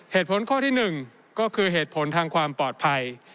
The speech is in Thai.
เหตุผลข้อที่๑ก็คือเหตุผลทางความปลอดภัย